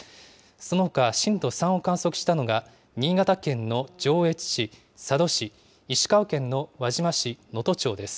そのほか震度３を観測したのが、新潟県の上越市、佐渡市、石川県の輪島市能登町です。